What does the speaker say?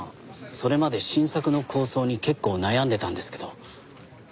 それまで新作の構想に結構悩んでたんですけど。